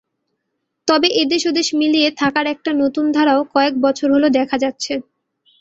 তবে এদেশ-ওদেশ মিলিয়ে থাকার একটা নতুন ধারাও কয়েক বছর হলো দেখা যাচ্ছে।